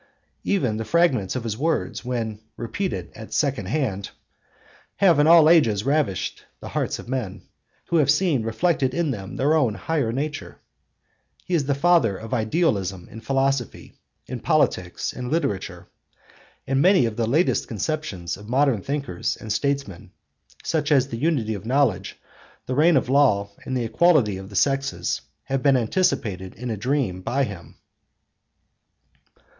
Even the fragments of his words when 'repeated at second hand' (Symp. 215 D) have in all ages ravished the hearts of men, who have seen reflected in them their own higher nature. He is the father of idealism in philosophy, in politics, in literature. And many of the latest conceptions of modern thinkers and statesmen, such as the unity of knowledge, the reign of law, and the equality of the sexes, have been anticipated in a dream by him.